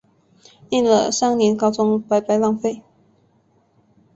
念了三年高中白白浪费